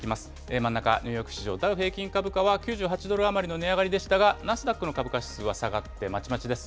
真ん中、ニューヨーク市場ダウ平均株価は９８ドル余りの値上がりでしたが、ナスダックの株価指数は下がってまちまちです。